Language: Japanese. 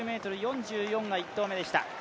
１９ｍ４４が１投目でした。